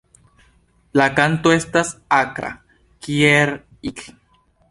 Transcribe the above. La kanto estas akra "kieerr-ik".